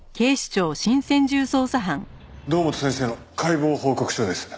堂本先生の解剖報告書です。